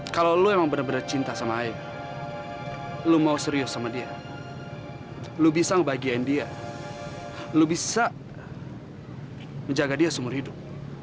kalau lo emang bener bener cinta sama aik lo mau serius sama dia lo bisa ngebagiin dia lo bisa menjaga dia seumur hidup